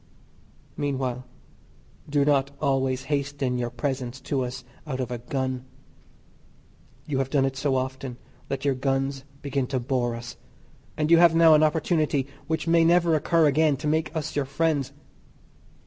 Meanwhile do not always hasten your presents to us out of a gun. You have done it so often that your guns begin to bore us, and you have now an opportunity which may never occur again to make us your friends.